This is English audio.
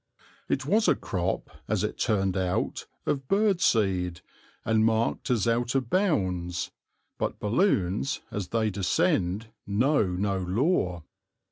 (It was a crop, as it turned out, of bird seed, and marked as out of bounds, but balloons as they descend know no law.)